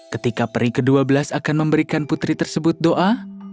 ketika peri ke dua belas akan memberikan putri tersebut doa